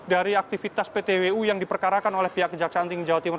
dari aktivitas ptwu yang diperkarakan oleh pihak kejaksaan tinggi jawa timur